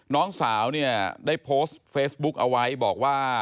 น้องสาวเนี่ยได้โพสต์เฟซบุ๊กเอาไว้บอกว่า